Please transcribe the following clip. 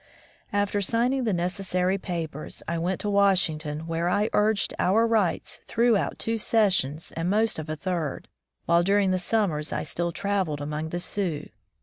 After signing the necessary papers, I went to Washington, where I urged our rights throughout two sessions and most of a third, while during the summers I still traveled among the Sioux.